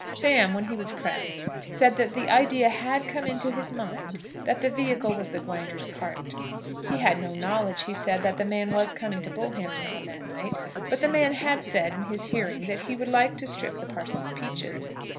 Sam, when he was pressed, said that the idea had come into his mind that the vehicle was the Grinder's cart. He had no knowledge, he said, that the man was coming to Bullhampton on that night; but the man had said in his hearing, that he would like to strip the parson's peaches.